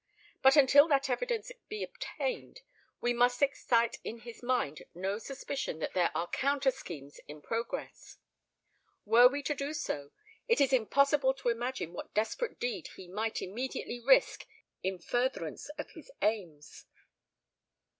But until that evidence be obtained, we must excite in his mind no suspicion that there are counter schemes in progress. Were we to do so, it is impossible to imagine what desperate deed he might immediately risk in furtherance of his aims."